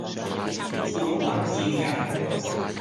撥雲見日